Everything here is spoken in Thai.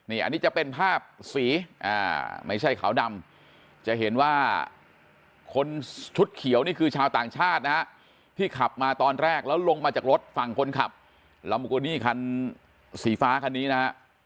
อันนี้จะเป็นภาพสีไม่ใช่ขาวดำจะเห็นว่าคนชุดเขียวนี่คือชาวต่างชาตินะฮะที่ขับมาตอนแรกแล้วลงมาจากรถฝั่งคนขับลัมโกดี้คันสีฟ้าคันนี้นะฮะ